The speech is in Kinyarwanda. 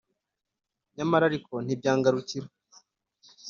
nyamara ariko ntimwangarukira!